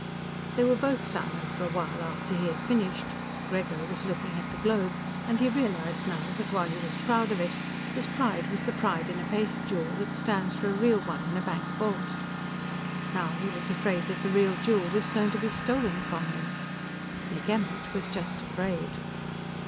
They were both silent for a while after he had finished. Grego was looking at the globe, and he realized, now, that while he was proud of it, his pride was the pride in a paste jewel that stands for a real one in a bank vault. Now he was afraid that the real jewel was going to be stolen from him. Nick Emmert was just afraid.